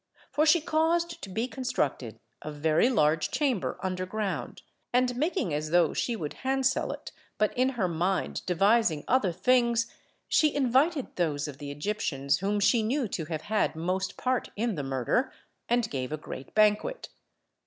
For she caused to be constructed a very large chamber under ground, and making as though she would handsel it but in her mind devising other things, she invited those of the Egyptians whom she knew to have had most part in the murder, and gave a great banquet.